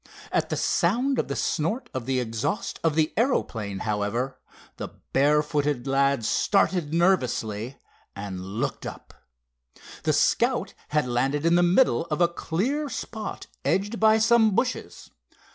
At the sound of the snort of the exhaust of the aeroplane, however, the barefooted lad started nervously, and looked up. The Scout had landed in the middle of a clear spot edged by some bushes.